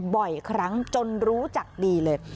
บ่อยครั้งจนรู้จักดีเลย